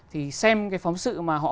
thì xem cái phóng sự mà họ